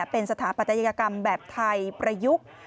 เป็นสถาปัตยกรรมแบบไทยประยุกต์